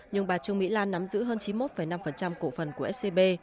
nhưng bà trương mỹ lan nắm giữ hơn chín mươi một năm cổ phần của scb